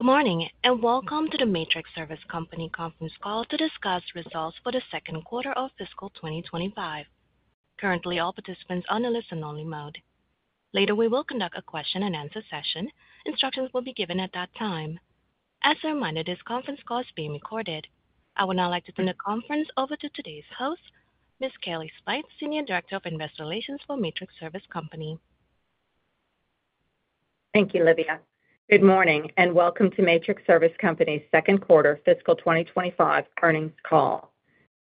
Good morning and welcome to the Matrix Service Company Conference Call to discuss Results for the Second Quarter of Fiscal 2025. Currently, all participants are on a listen-only mode. Later, we will conduct a question-and-answer session. Instructions will be given at that time. As a reminder, this conference call is being recorded. I would now like to turn the conference over to today's host, Ms. Kellie Smythe, Senior Director of Investor Relations for Matrix Service Company. Thank you, Olivia. Good morning and welcome to Matrix Service Company's second quarter fiscal 2025 earnings call.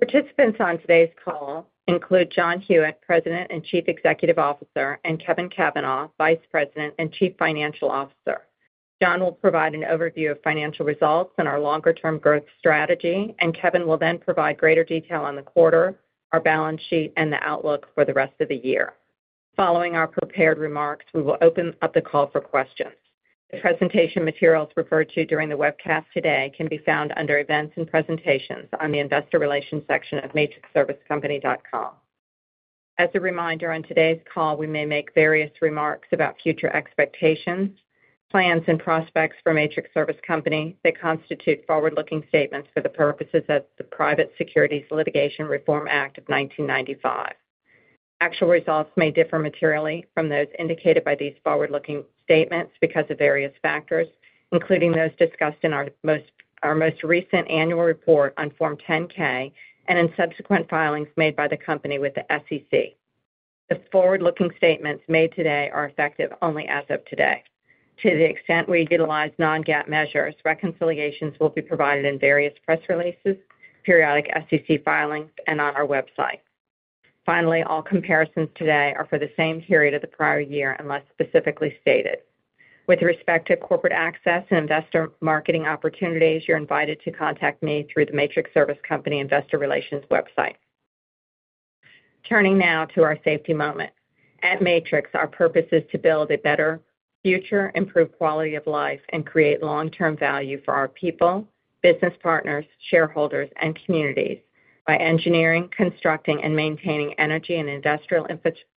Participants on today's call include John Hewitt, President and Chief Executive Officer, and Kevin Cavanah, Vice President and Chief Financial Officer. John will provide an overview of financial results and our longer-term growth strategy, and Kevin will then provide greater detail on the quarter, our balance sheet, and the outlook for the rest of the year. Following our prepared remarks, we will open up the call for questions. The presentation materials referred to during the webcast today can be found under Events and Presentations on the Investor Relations section of matrixservicecompany.com. As a reminder, on today's call, we may make various remarks about future expectations, plans, and prospects for Matrix Service Company. They constitute forward-looking statements for the purposes of the Private Securities Litigation Reform Act of 1995. Actual results may differ materially from those indicated by these forward-looking statements because of various factors, including those discussed in our most recent annual report on Form 10-K and in subsequent filings made by the company with the SEC. The forward-looking statements made today are effective only as of today. To the extent we utilize non-GAAP measures, reconciliations will be provided in various press releases, periodic SEC filings, and on our website. Finally, all comparisons today are for the same period of the prior year unless specifically stated. With respect to corporate access and investor marketing opportunities, you're invited to contact me through the Matrix Service Company Investor Relations website. Turning now to our safety moment. At Matrix, our purpose is to build a better future, improve quality of life, and create long-term value for our people, business partners, shareholders, and communities by engineering, constructing, and maintaining energy and industrial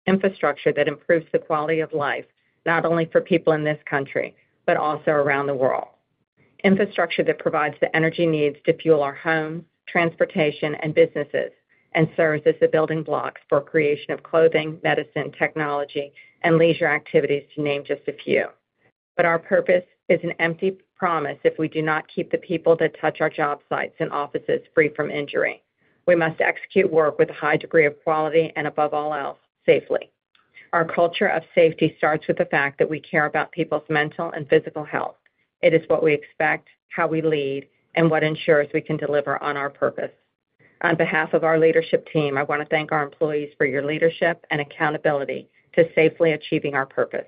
infrastructure that improves the quality of life not only for people in this country but also around the world. Infrastructure that provides the energy needs to fuel our homes, transportation, and businesses, and serves as the building blocks for creation of clothing, medicine, technology, and leisure activities, to name just a few. But our purpose is an empty promise if we do not keep the people that touch our job sites and offices free from injury. We must execute work with a high degree of quality and, above all else, safely. Our culture of safety starts with the fact that we care about people's mental and physical health. It is what we expect, how we lead, and what ensures we can deliver on our purpose. On behalf of our leadership team, I want to thank our employees for your leadership and accountability to safely achieving our purpose.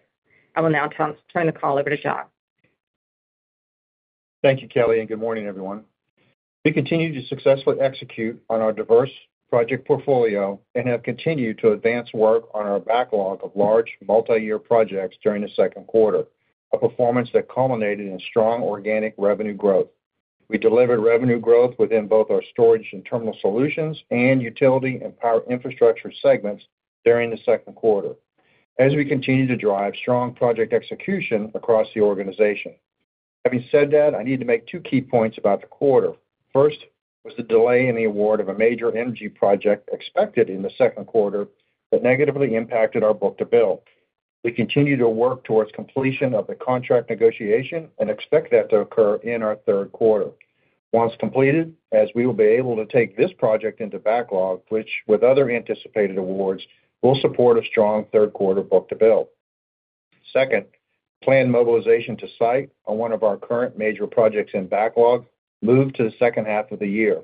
I will now turn the call over to John. Thank you, Kellie, and good morning, everyone. We continue to successfully execute on our diverse project portfolio and have continued to advance work on our backlog of large multi-year projects during the second quarter, a performance that culminated in strong organic revenue growth. We delivered revenue growth within both our Storage and Terminal Solutions and Utility and Power Infrastructure segments during the second quarter, as we continue to drive strong project execution across the organization. Having said that, I need to make two key points about the quarter. First was the delay in the award of a major energy project expected in the second quarter that negatively impacted our book-to-bill. We continue to work towards completion of the contract negotiation and expect that to occur in our third quarter. Once completed, as we will be able to take this project into backlog, which, with other anticipated awards, will support a strong third quarter book-to-bill. Second, planned mobilization to site on one of our current major projects in backlog moved to the second half of the year.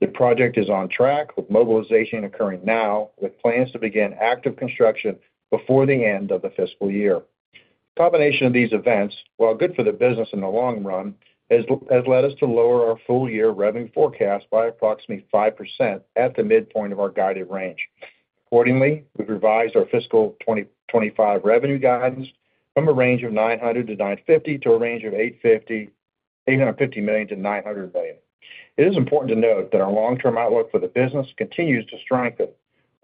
The project is on track with mobilization occurring now, with plans to begin active construction before the end of the fiscal year. The combination of these events, while good for the business in the long run, has led us to lower our full-year revenue forecast by approximately 5% at the midpoint of our guided range. Accordingly, we've revised our fiscal 2025 revenue guidance from a range of $900 million-$950 million to a range of $850 million-$900 million. It is important to note that our long-term outlook for the business continues to strengthen.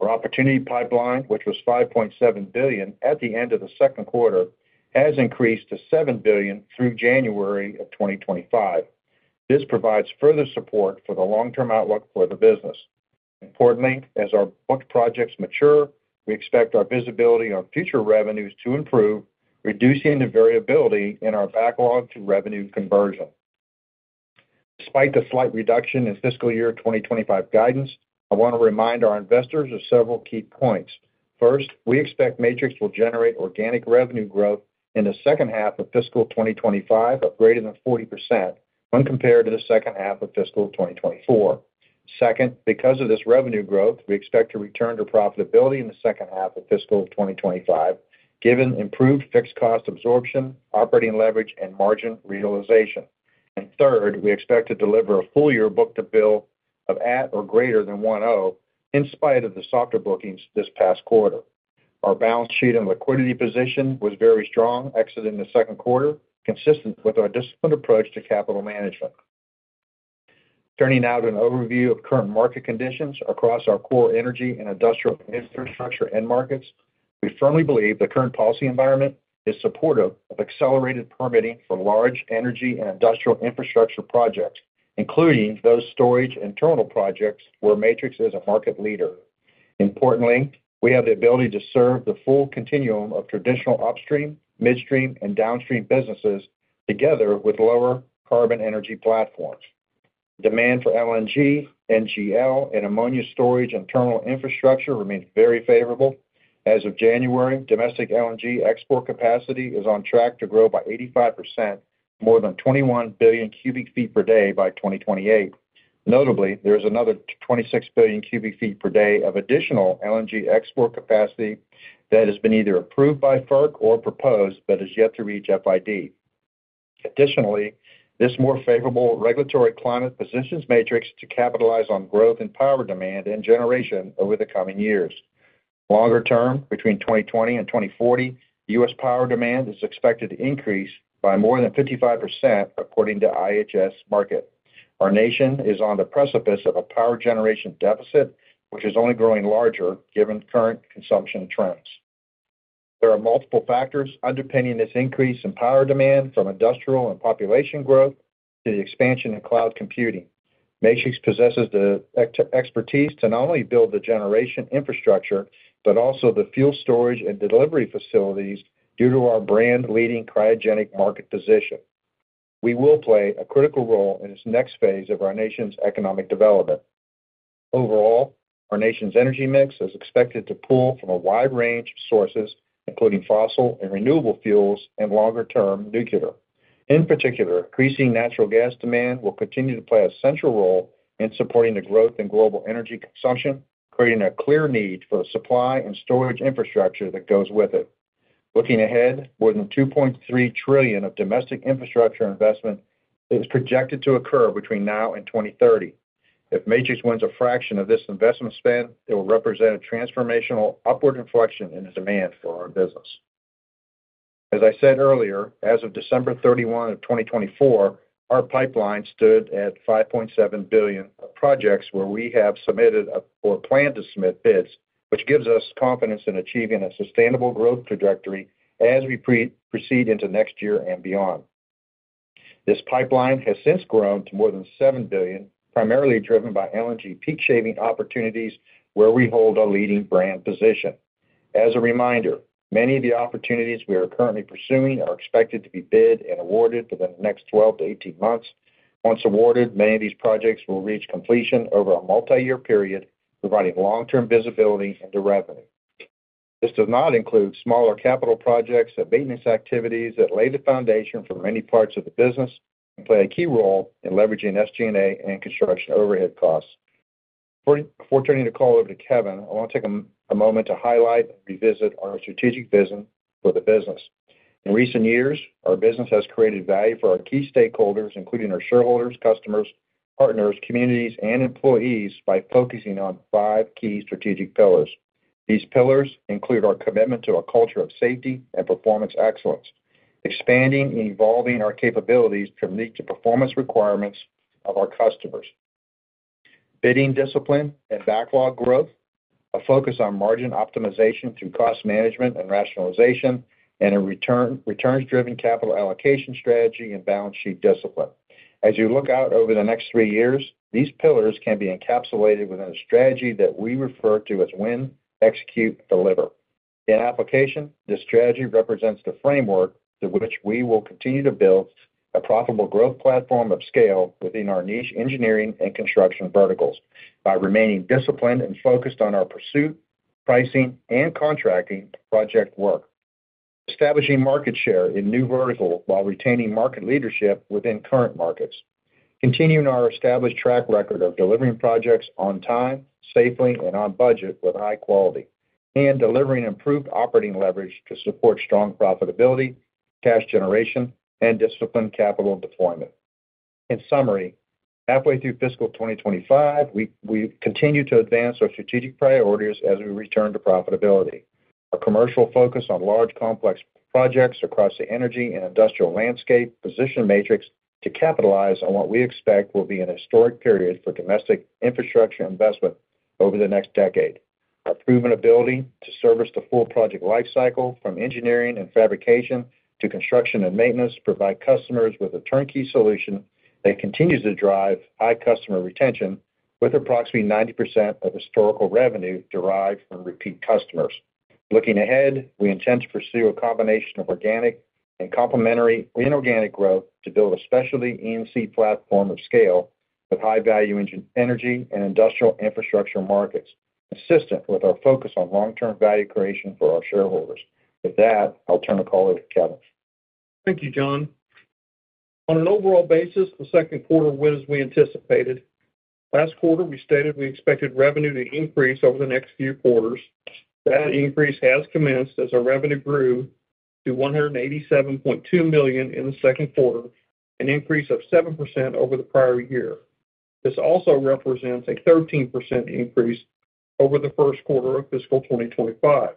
Our opportunity pipeline, which was $5.7 billion at the end of the second quarter, has increased to $7 billion through January of 2025. This provides further support for the long-term outlook for the business. Importantly, as our book projects mature, we expect our visibility on future revenues to improve, reducing the variability in our backlog to revenue conversion. Despite the slight reduction in fiscal year 2025 guidance, I want to remind our investors of several key points. First, we expect Matrix will generate organic revenue growth in the second half of fiscal 2025 of greater than 40% when compared to the second half of fiscal 2024. Second, because of this revenue growth, we expect to return to profitability in the second half of fiscal 2025, given improved fixed cost absorption, operating leverage, and margin realization. And third, we expect to deliver a full-year book-to-bill of at or greater than 1.0x in spite of the softer bookings this past quarter. Our balance sheet and liquidity position was very strong, exiting the second quarter, consistent with our disciplined approach to capital management. Turning now to an overview of current market conditions across our core energy and industrial infrastructure end markets, we firmly believe the current policy environment is supportive of accelerated permitting for large energy and industrial infrastructure projects, including those storage and terminal projects where Matrix is a market leader. Importantly, we have the ability to serve the full continuum of traditional upstream, midstream, and downstream businesses together with lower carbon energy platforms. Demand for LNG, NGL, and ammonia storage and terminal infrastructure remains very favorable. As of January, domestic LNG export capacity is on track to grow by 85%, more than 21 billion cubic feet per day by 2028. Notably, there is another 26 billion cubic feet per day of additional LNG export capacity that has been either approved by FERC or proposed but has yet to reach FID. Additionally, this more favorable regulatory climate positions Matrix to capitalize on growth in power demand and generation over the coming years. Longer term, between 2020 and 2040, U.S. power demand is expected to increase by more than 55%, according to IHS Markit. Our nation is on the precipice of a power generation deficit, which is only growing larger given current consumption trends. There are multiple factors underpinning this increase in power demand, from industrial and population growth to the expansion in cloud computing. Matrix possesses the expertise to not only build the generation infrastructure but also the fuel storage and delivery facilities due to our brand-leading cryogenic market position. We will play a critical role in this next phase of our nation's economic development. Overall, our nation's energy mix is expected to pull from a wide range of sources, including fossil and renewable fuels and longer-term nuclear. In particular, increasing natural gas demand will continue to play a central role in supporting the growth in global energy consumption, creating a clear need for the supply and storage infrastructure that goes with it. Looking ahead, more than $2.3 trillion of domestic infrastructure investment is projected to occur between now and 2030. If Matrix wins a fraction of this investment spend, it will represent a transformational upward inflection in the demand for our business. As I said earlier, as of December 31 of 2024, our pipeline stood at $5.7 billion of projects where we have submitted or planned to submit bids, which gives us confidence in achieving a sustainable growth trajectory as we proceed into next year and beyond. This pipeline has since grown to more than $7 billion, primarily driven by LNG peak shaving opportunities where we hold a leading brand position. As a reminder, many of the opportunities we are currently pursuing are expected to be bid and awarded within the next 12 to 18 months. Once awarded, many of these projects will reach completion over a multi-year period, providing long-term visibility into revenue. This does not include smaller capital projects and maintenance activities that lay the foundation for many parts of the business and play a key role in leveraging SG&A and construction overhead costs. Before turning the call over to Kevin, I want to take a moment to highlight and revisit our strategic vision for the business. In recent years, our business has created value for our key stakeholders, including our shareholders, customers, partners, communities, and employees, by focusing on five key strategic pillars. These pillars include our commitment to a culture of safety and performance excellence, expanding and evolving our capabilities to meet the performance requirements of our customers, bidding discipline and backlog growth, a focus on margin optimization through cost management and rationalization, and a returns-driven capital allocation strategy and balance sheet discipline. As you look out over the next three years, these pillars can be encapsulated within a strategy that we refer to as Win, Execute, Deliver. In application, this strategy represents the framework through which we will continue to build a profitable growth platform of scale within our niche engineering and construction verticals by remaining disciplined and focused on our pursuit, pricing, and contracting project work, establishing market share in new verticals while retaining market leadership within current markets, continuing our established track record of delivering projects on time, safely, and on budget with high quality, and delivering improved operating leverage to support strong profitability, cash generation, and disciplined capital deployment. In summary, halfway through fiscal 2025, we continue to advance our strategic priorities as we return to profitability. Our commercial focus on large complex projects across the energy and industrial landscape positions Matrix to capitalize on what we expect will be a historic period for domestic infrastructure investment over the next decade. Our proven ability to service the full project lifecycle, from engineering and fabrication to construction and maintenance, provides customers with a turnkey solution that continues to drive high customer retention with approximately 90% of historical revenue derived from repeat customers. Looking ahead, we intend to pursue a combination of organic and complementary inorganic growth to build a specialty E&C platform of scale with high-value energy and industrial infrastructure markets, consistent with our focus on long-term value creation for our shareholders. With that, I'll turn the call over to Kevin. Thank you, John. On an overall basis, the second quarter went as we anticipated. Last quarter, we stated we expected revenue to increase over the next few quarters. That increase has commenced as our revenue grew to $187.2 million in the second quarter, an increase of 7% over the prior year. This also represents a 13% increase over the first quarter of fiscal 2025.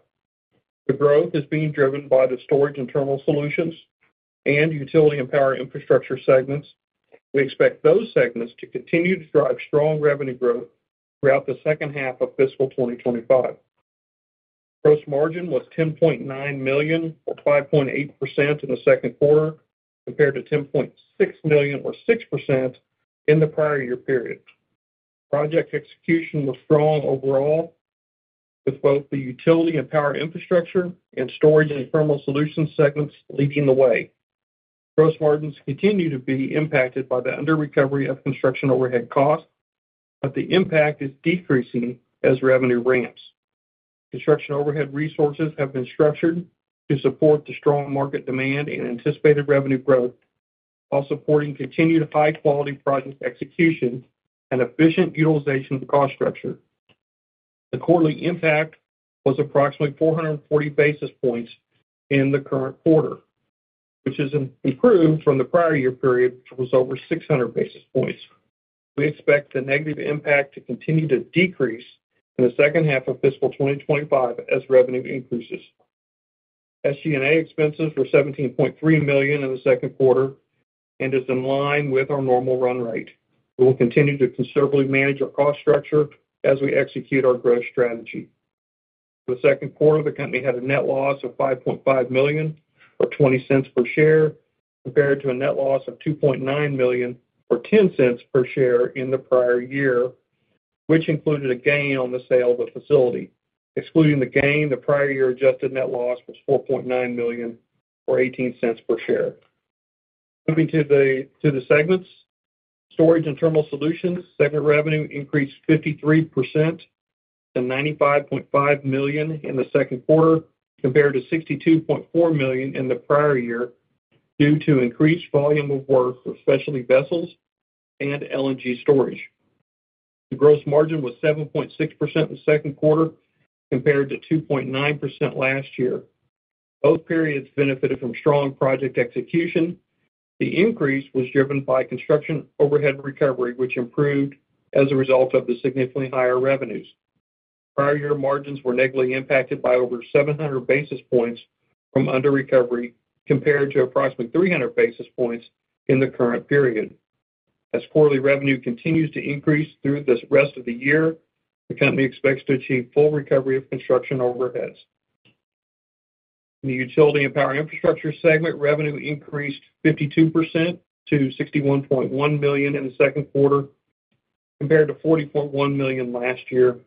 The growth is being driven by the storage and terminal solutions and utility and power infrastructure segments. We expect those segments to continue to drive strong revenue growth throughout the second half of fiscal 2025. Gross margin was $10.9 million, or 5.8%, in the second quarter, compared to $10.6 million, or 6%, in the prior year period. Project execution was strong overall, with both the utility and power infrastructure and storage and terminal solutions segments leading the way. Gross margins continue to be impacted by the under-recovery of construction overhead costs, but the impact is decreasing as revenue ramps. Construction overhead resources have been structured to support the strong market demand and anticipated revenue growth while supporting continued high-quality project execution and efficient utilization of the cost structure. The quarterly impact was approximately 440 basis points in the current quarter, which is improved from the prior year period, which was over 600 basis points. We expect the negative impact to continue to decrease in the second half of fiscal 2025 as revenue increases. SG&A expenses were $17.3 million in the second quarter and is in line with our normal run rate. We will continue to conservatively manage our cost structure as we execute our growth strategy. For the second quarter, the company had a net loss of $5.5 million, or $0.20 per share, compared to a net loss of $2.9 million, or $0.10 per share in the prior year, which included a gain on the sale of the facility. Excluding the gain, the prior year adjusted net loss was $4.9 million, or $0.18 per share. Moving to the segments, storage and terminal solutions segment revenue increased 53% to $95.5 million in the second quarter, compared to $62.4 million in the prior year due to increased volume of work for specialty vessels and LNG storage. The gross margin was 7.6% in the second quarter, compared to 2.9% last year. Both periods benefited from strong project execution. The increase was driven by construction overhead recovery, which improved as a result of the significantly higher revenues. Prior year margins were negatively impacted by over 700 basis points from under-recovery, compared to approximately 300 basis points in the current period. As quarterly revenue continues to increase through the rest of the year, the company expects to achieve full recovery of construction overheads. In the utility and power infrastructure segment, revenue increased 52% to $61.1 million in the second quarter, compared to $40.1 million last year,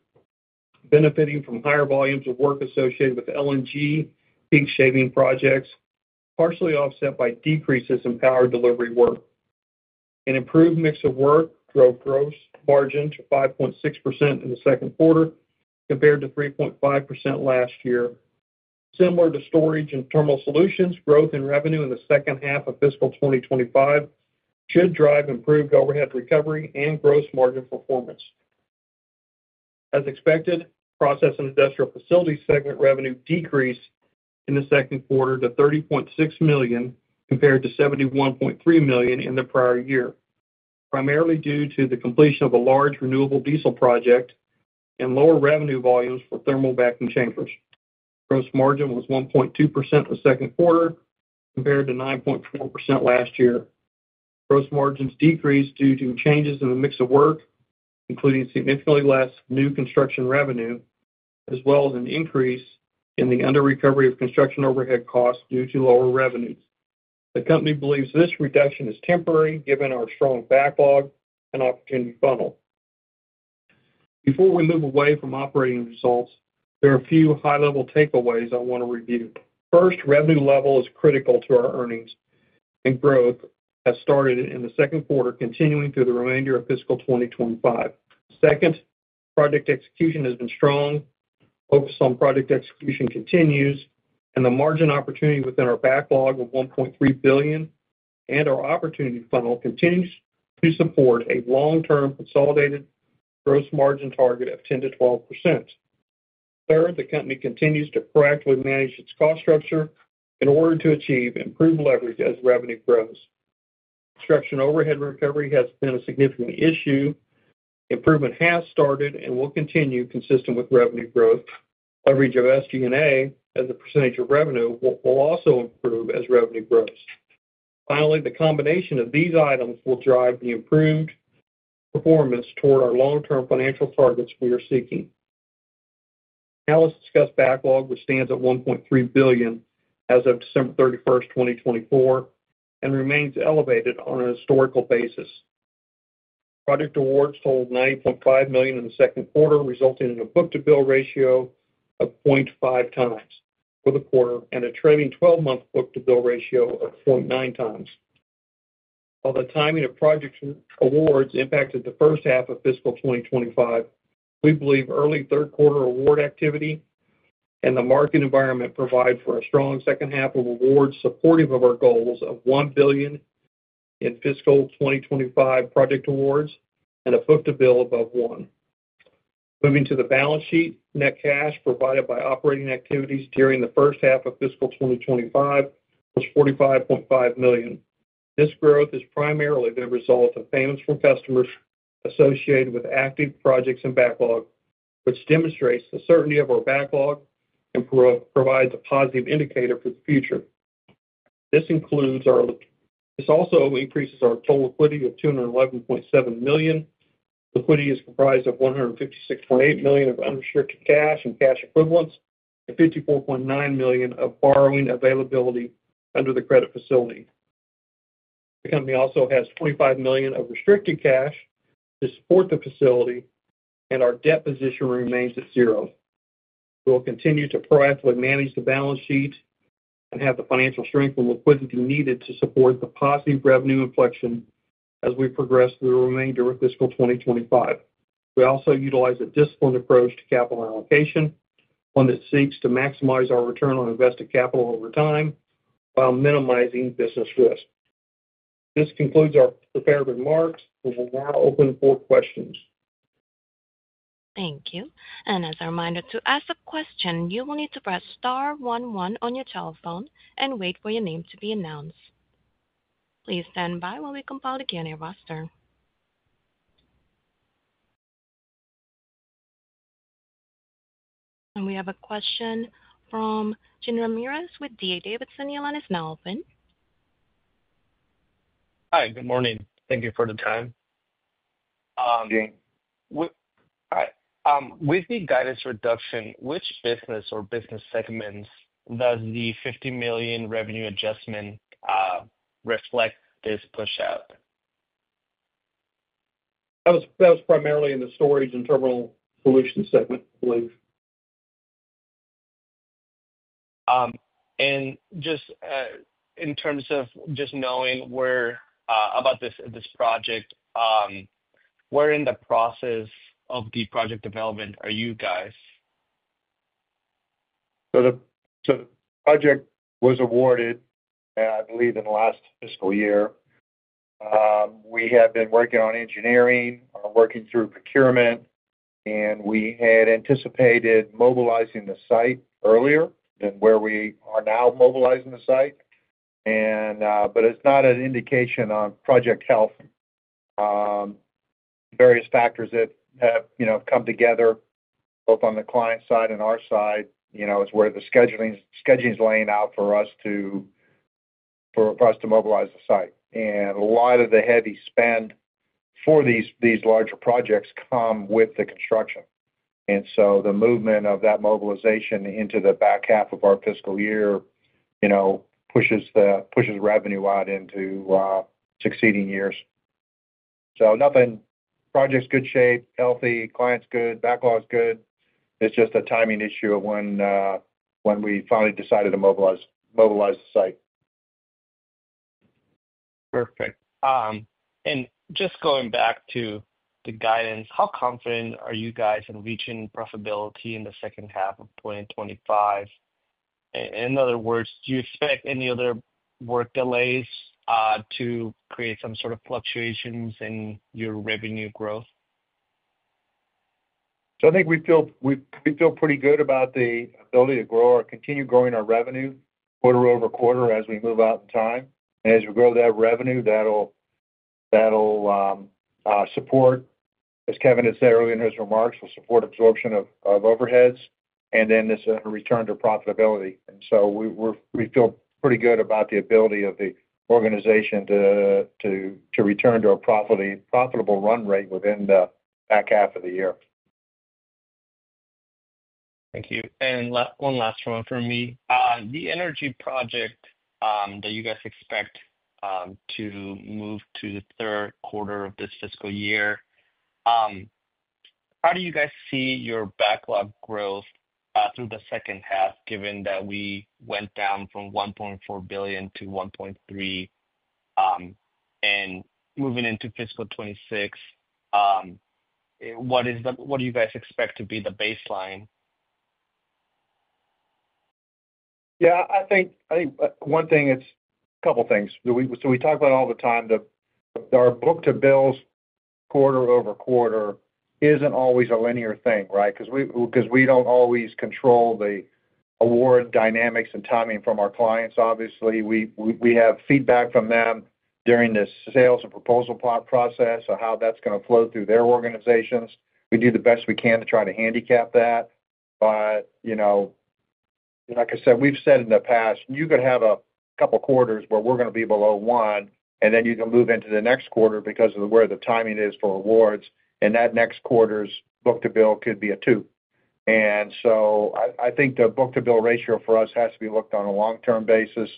benefiting from higher volumes of work associated with LNG peak shaving projects, partially offset by decreases in power delivery work. An improved mix of work drove gross margin to 5.6% in the second quarter, compared to 3.5% last year. Similar to storage and terminal solutions, growth in revenue in the second half of fiscal 2025 should drive improved overhead recovery and gross margin performance. As expected, Process and Industrial Facilities segment revenue decreased in the second quarter to $30.6 million, compared to $71.3 million in the prior year, primarily due to the completion of a large renewable diesel project and lower revenue volumes for thermal vacuum chambers. Gross margin was 1.2% the second quarter, compared to 9.4% last year. Gross margins decreased due to changes in the mix of work, including significantly less new construction revenue, as well as an increase in the under-recovery of construction overhead costs due to lower revenues. The company believes this reduction is temporary, given our strong backlog and opportunity funnel. Before we move away from operating results, there are a few high-level takeaways I want to review. First, revenue level is critical to our earnings, and growth has started in the second quarter, continuing through the remainder of fiscal 2025. Second, project execution has been strong. Focus on project execution continues, and the margin opportunity within our backlog of $1.3 billion and our opportunity funnel continues to support a long-term consolidated gross margin target of 10%-12%. Third, the company continues to proactively manage its cost structure in order to achieve improved leverage as revenue grows. Construction overhead recovery has been a significant issue. Improvement has started and will continue consistent with revenue growth. Leverage of SG&A as a percentage of revenue will also improve as revenue grows. Finally, the combination of these items will drive the improved performance toward our long-term financial targets we are seeking. Now, let's discuss backlog, which stands at $1.3 billion as of December 31, 2024, and remains elevated on a historical basis. Project awards totaled $90.5 million in the second quarter, resulting in a book-to-bill ratio of 0.5x for the quarter and a trailing 12-month book-to-bill ratio of 0.9x. While the timing of project awards impacted the first half of fiscal 2025, we believe early third quarter award activity and the market environment provide for a strong second half of awards supportive of our goals of $1 billion in fiscal 2025 project awards and a book-to-bill above 1x. Moving to the balance sheet, net cash provided by operating activities during the first half of fiscal 2025 was $45.5 million. This growth has primarily been a result of payments from customers associated with active projects and backlog, which demonstrates the certainty of our backlog and provides a positive indicator for the future. This also increases our total liquidity of $211.7 million. Liquidity is comprised of $156.8 million of unrestricted cash and cash equivalents and $54.9 million of borrowing availability under the credit facility. The company also has $25 million of restricted cash to support the facility, and our debt position remains at zero. We will continue to proactively manage the balance sheet and have the financial strength and liquidity needed to support the positive revenue inflection as we progress through the remainder of fiscal 2025. We also utilize a disciplined approach to capital allocation when it seeks to maximize our return on invested capital over time while minimizing business risk. This concludes our prepared remarks. We will now open for questions. Thank you. And as a reminder to ask the question, you will need to press star 11 on your telephone and wait for your name to be announced. Please stand by while we compile the Q&A roster. And we have a question from Jean Ramirez with D.A. Davidson. Your line is now open. Hi, good morning. Thank you for the time. Hi. All right. With the guidance reduction, which business or business segments does the $50 million revenue adjustment reflect this push out? That was primarily in the storage and terminal solution segment, I believe. Just in terms of just knowing about this project, where in the process of the project development are you guys? The project was awarded, I believe, in the last fiscal year. We have been working on engineering, working through procurement, and we had anticipated mobilizing the site earlier than where we are now mobilizing the site. It's not an indication on project health. Various factors that have come together, both on the client side and our side, is where the scheduling is playing out for us to mobilize the site. A lot of the heavy spend for these larger projects comes with the construction. The movement of that mobilization into the back half of our fiscal year pushes revenue out into succeeding years. Nothing. Project's in good shape, healthy, client's good, backlog's good. It's just a timing issue of when we finally decided to mobilize the site. Perfect. And just going back to the guidance, how confident are you guys in reaching profitability in the second half of 2025? In other words, do you expect any other work delays to create some sort of fluctuations in your revenue growth? So I think we feel pretty good about the ability to grow or continue growing our revenue quarter over quarter as we move out in time. And as we grow that revenue, that'll support, as Kevin had said earlier in his remarks, will support absorption of overheads and then this return to profitability. And so we feel pretty good about the ability of the organization to return to a profitable run rate within the back half of the year. Thank you, and one last one for me. The energy project that you guys expect to move to the third quarter of this fiscal year, how do you guys see your backlog growth through the second half, given that we went down from $1.4 billion to $1.3 billion and moving into fiscal 2026? What do you guys expect to be the baseline? Yeah. I think one thing is a couple of things. So we talk about it all the time. Our book-to-bills quarter over quarter isn't always a linear thing, right? Because we don't always control the award dynamics and timing from our clients, obviously. We have feedback from them during the sales and proposal process of how that's going to flow through their organizations. We do the best we can to try to handicap that. But like I said, we've said in the past, you could have a couple of quarters where we're going to be below 1x, and then you can move into the next quarter because of where the timing is for awards, and that next quarter's book-to-bill could be a 2x. And so I think the book-to-bill ratio for us has to be looked on a long-term basis.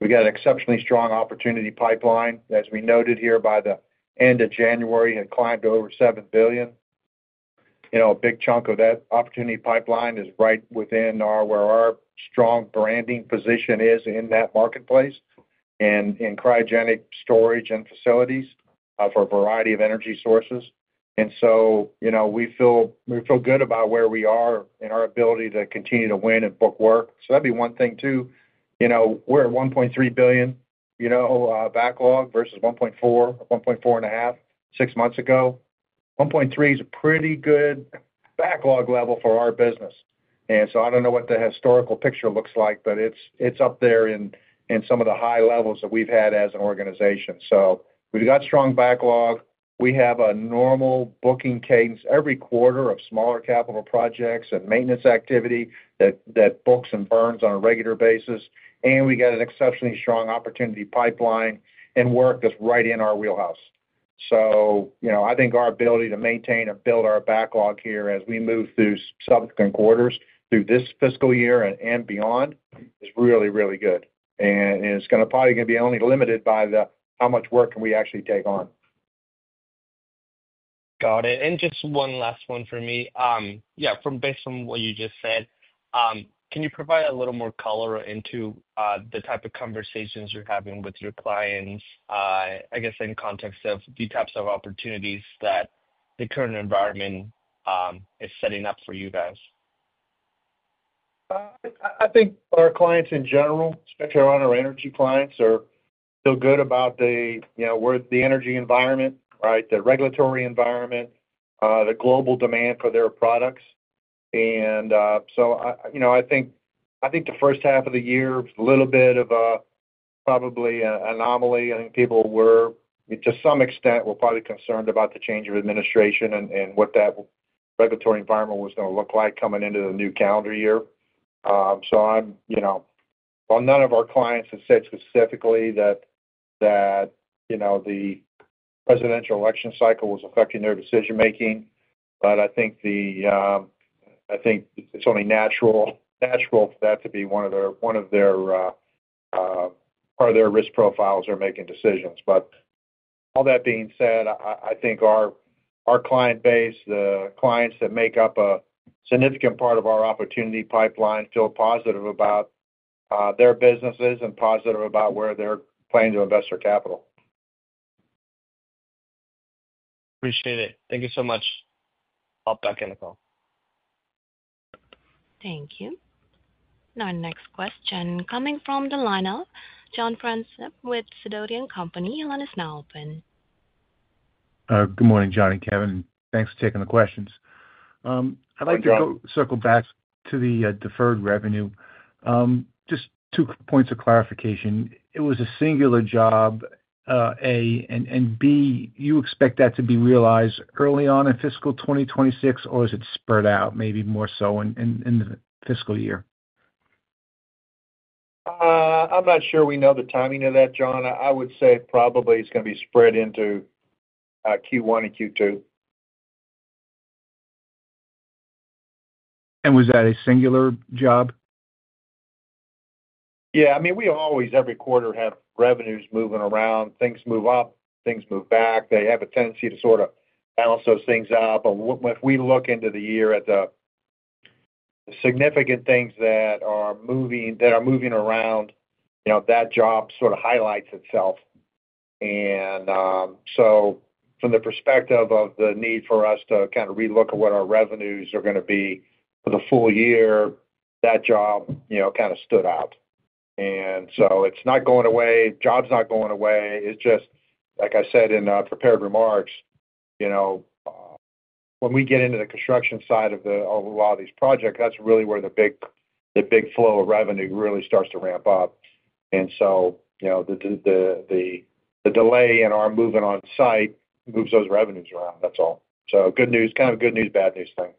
We've got an exceptionally strong opportunity pipeline, as we noted here by the end of January, had climbed to over $7 billion. A big chunk of that opportunity pipeline is right within where our strong branding position is in that marketplace and cryogenic storage and facilities for a variety of energy sources, and so we feel good about where we are in our ability to continue to win at book work, so that'd be one thing too. We're at $1.3 billion backlog versus $1.4 billion, $1.45 billion six months ago. $1.3 billion is a pretty good backlog level for our business, and so I don't know what the historical picture looks like, but it's up there in some of the high levels that we've had as an organization, so we've got strong backlog. We have a normal booking cadence every quarter of smaller capital projects and maintenance activity that books and burns on a regular basis. And we've got an exceptionally strong opportunity pipeline and work that's right in our wheelhouse. I think our ability to maintain and build our backlog here as we move through subsequent quarters through this fiscal year and beyond is really, really good. And it's probably going to be only limited by how much work can we actually take on. Got it. And just one last one for me. Yeah, based on what you just said, can you provide a little more color into the type of conversations you're having with your clients, I guess, in context of the types of opportunities that the current environment is setting up for you guys? I think our clients in general, especially our energy clients, are still good about the energy environment, right, the regulatory environment, the global demand for their products, and so I think the first half of the year was a little bit, probably, an anomaly. I think people were, to some extent, probably concerned about the change of administration and what that regulatory environment was going to look like coming into the new calendar year, so none of our clients have said specifically that the presidential election cycle was affecting their decision-making, but I think it's only natural for that to be one of the parts of their risk profiles or making decisions. But all that being said, I think our client base, the clients that make up a significant part of our opportunity pipeline, feel positive about their businesses and positive about where they're planning to invest their capital. Appreciate it. Thank you so much. I'll be back in the call. Thank you. Now, next question. Coming from the lineup, John Franzreb with Sidoti & Company. Your line is now open. Good morning, John and Kevin. Thanks for taking the questions. I'd like to circle back to the deferred revenue. Just two points of clarification. It was a singular job, A, and B, you expect that to be realized early on in fiscal 2026, or is it spread out maybe more so in the fiscal year? I'm not sure we know the timing of that, John. I would say probably it's going to be spread into Q1 and Q2. Was that a singular job? Yeah. I mean, we always, every quarter, have revenues moving around. Things move up, things move back. They have a tendency to sort of balance those things out. But if we look into the year at the significant things that are moving around, that job sort of highlights itself. And so from the perspective of the need for us to kind of relook at what our revenues are going to be for the full year, that job kind of stood out. And so it's not going away. Job's not going away. It's just, like I said in prepared remarks, when we get into the construction side of a lot of these projects, that's really where the big flow of revenue really starts to ramp up. And so the delay in our moving on site moves those revenues around. That's all. So, good news, kind of good news, bad news thing.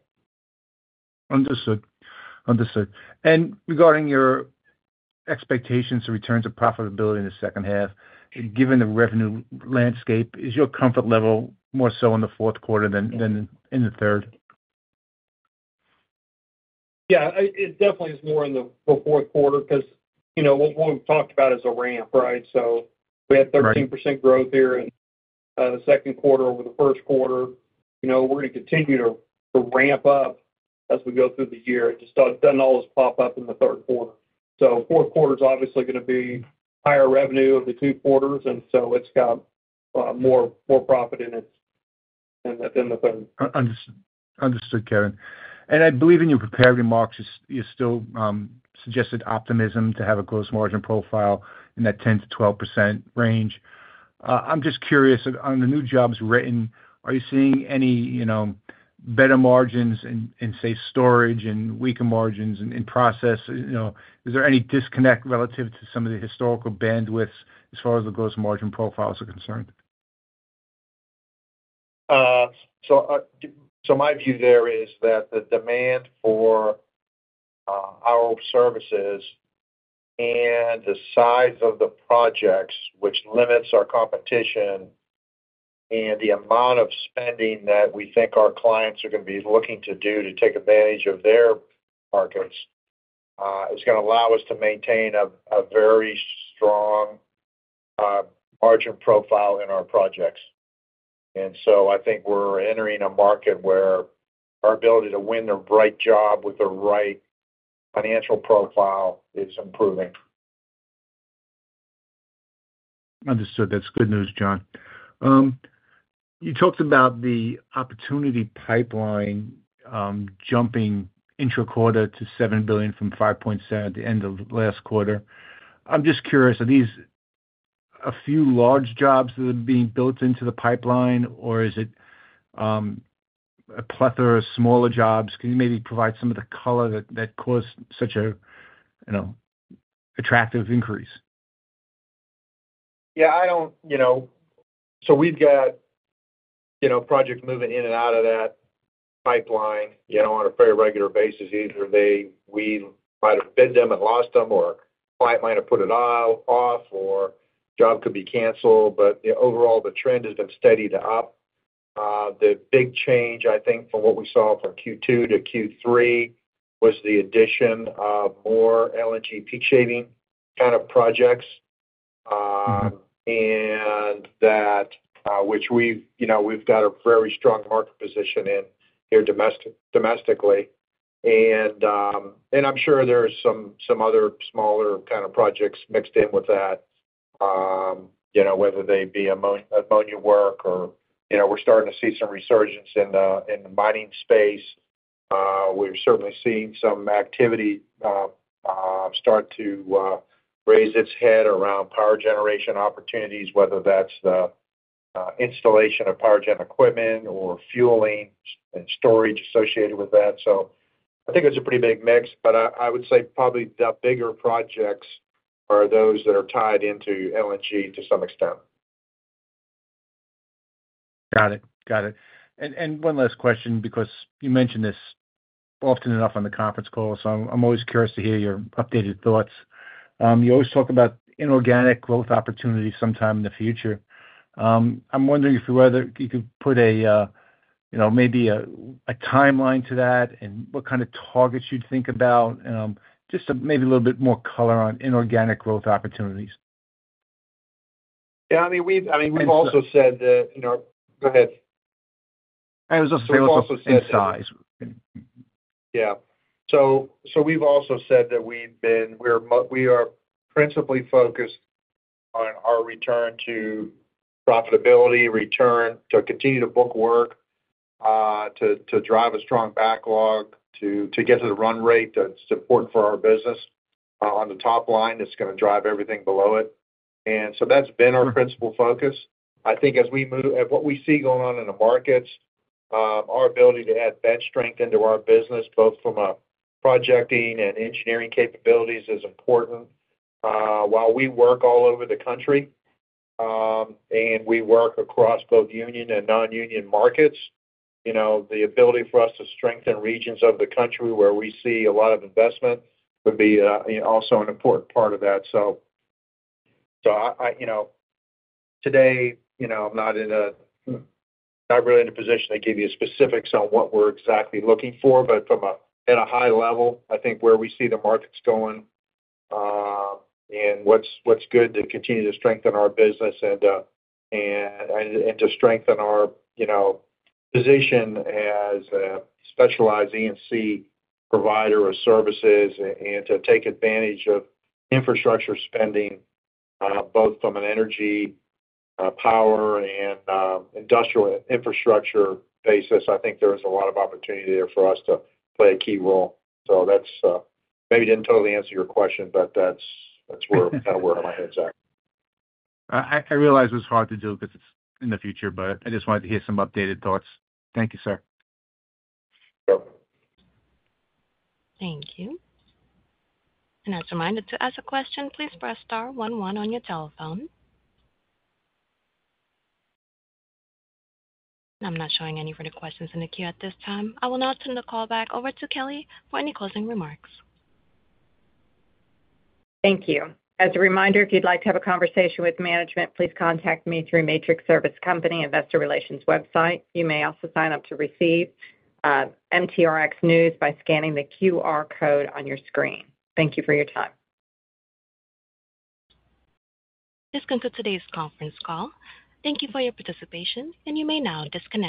Understood. And regarding your expectations to return to profitability in the second half, given the revenue landscape, is your comfort level more so in the fourth quarter than in the third? Yeah. It definitely is more in the fourth quarter because what we've talked about is a ramp, right? So we had 13% growth here in the second quarter over the first quarter. We're going to continue to ramp up as we go through the year. It just doesn't always pop up in the third quarter. So fourth quarter is obviously going to be higher revenue of the two quarters. And so it's got more profit in it than the third. Understood, Kevin. And I believe in your prepared remarks, you still suggested optimism to have a gross margin profile in that 10%-12% range. I'm just curious, on the new jobs written, are you seeing any better margins in, say, storage and weaker margins in process? Is there any disconnect relative to some of the historical bandwidths as far as the gross margin profiles are concerned? So my view there is that the demand for our services and the size of the projects, which limits our competition and the amount of spending that we think our clients are going to be looking to do to take advantage of their markets, is going to allow us to maintain a very strong margin profile in our projects. And so I think we're entering a market where our ability to win the right job with the right financial profile is improving. Understood. That's good news, John. You talked about the opportunity pipeline jumping intra-quarter to $7 billion from $5.7 billion at the end of last quarter. I'm just curious, are these a few large jobs that are being built into the pipeline, or is it a plethora of smaller jobs? Can you maybe provide some of the color that caused such an attractive increase? Yeah, so we've got projects moving in and out of that pipeline on a very regular basis. Either we might have bid them and lost them, or a client might have put it off, or the job could be canceled, but overall, the trend has been steady to up. The big change, I think, from what we saw from Q2 to Q3 was the addition of more LNG peak shaving kind of projects, which we've got a very strong market position in here domestically, and I'm sure there are some other smaller kind of projects mixed in with that, whether they be ammonia work or we're starting to see some resurgence in the mining space. We're certainly seeing some activity start to raise its head around power generation opportunities, whether that's the installation of power gen equipment or fueling and storage associated with that. So I think it's a pretty big mix. But I would say probably the bigger projects are those that are tied into LNG to some extent. Got it. And one last question because you mentioned this often enough on the conference call, so I'm always curious to hear your updated thoughts. You always talk about inorganic growth opportunities sometime in the future. I'm wondering if you could put maybe a timeline to that and what kind of targets you'd think about, just maybe a little bit more color on inorganic growth opportunities? Yeah. I mean, we've also said that. Go ahead. It was a small-scale size. Yeah, so we've also said that we are principally focused on our return to profitability, return to continue to book work, to drive a strong backlog, to get to the run rate that's important for our business on the top line that's going to drive everything below it, and so that's been our principal focus. I think as we move what we see going on in the markets, our ability to add bench strength into our business, both from a projecting and engineering capabilities, is important. While we work all over the country and we work across both union and non-union markets, the ability for us to strengthen regions of the country where we see a lot of investment would be also an important part of that. So today, I'm not really in a position to give you specifics on what we're exactly looking for, but at a high level, I think where we see the markets going and what's good to continue to strengthen our business and to strengthen our position as a specialized E&C provider of services and to take advantage of infrastructure spending, both from an energy, power, and industrial infrastructure basis, I think there is a lot of opportunity there for us to play a key role. So that's maybe didn't totally answer your question, but that's kind of where my head's at. I realize it's hard to do because it's in the future, but I just wanted to hear some updated thoughts. Thank you, sir. Yep. Thank you. And as a reminder to ask a question, please press star 11 on your telephone. I'm not showing any further questions in the queue at this time. I will now turn the call back over to Kellie for any closing remarks. Thank you. As a reminder, if you'd like to have a conversation with management, please contact me through Matrix Service Company Investor Relations website. You may also sign up to receive MTRX News by scanning the QR code on your screen. Thank you for your time. This concludes today's conference call. Thank you for your participation, and you may now disconnect.